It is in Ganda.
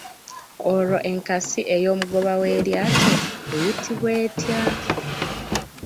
Olwo enkasi ey'omugoba w'eryato eyitibwa etya?